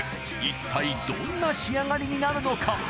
一体どんな仕上がりになるのか？